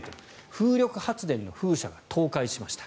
風力発電の風車が倒壊しました。